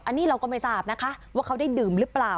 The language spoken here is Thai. อันนี้เราก็ไม่ทราบนะคะว่าเขาได้ดื่มหรือเปล่า